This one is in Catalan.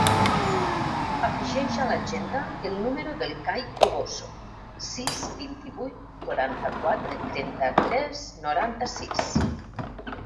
Afegeix a l'agenda el número del Cai Toboso: sis, vint-i-vuit, quaranta-quatre, trenta-tres, noranta-sis.